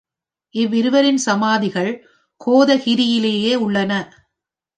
இவ்விருவரின் சமாதிகள் கோதகிரியிலேயே உள்ளன.